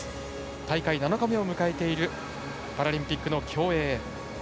大会７日目を迎えているパラリンピックの競泳。